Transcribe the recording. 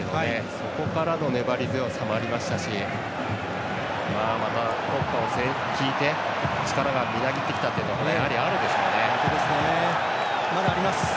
そこからの粘り強さもありましたし国歌を聴いて力がみなぎってきたというのはやはり、あるでしょうね。